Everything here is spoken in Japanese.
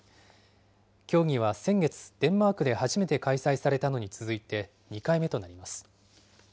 協議は先月、デンマークで初めて開催されたのに続いて、２回目となります。